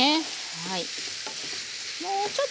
はい。